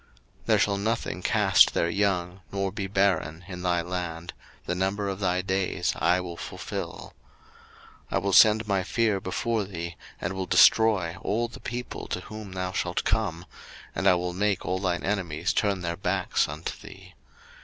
02:023:026 There shall nothing cast their young, nor be barren, in thy land: the number of thy days I will fulfil. 02:023:027 I will send my fear before thee, and will destroy all the people to whom thou shalt come, and I will make all thine enemies turn their backs unto thee.